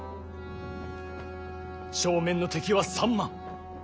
正面の敵は３万。